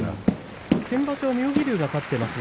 先場所、妙義龍が勝っています。